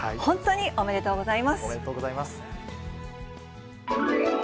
おめでとうございます。